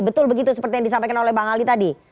betul begitu seperti yang disampaikan oleh bang ali tadi